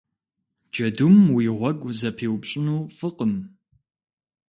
Джэдум уи гъуэгу зэпиупщӏыну фӏыкъым.